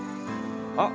あっ！